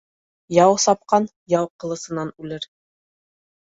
Яу сапҡан яу ҡылысынан үлер.